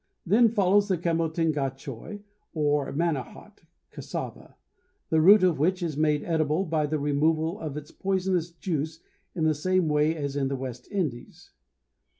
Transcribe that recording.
Then follows the camotengcahoy or manihot (cassava), the root of which is made edible by the removal of its poisonous juice in the same way as in the West Indies.